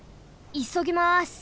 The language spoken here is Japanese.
いそぎます。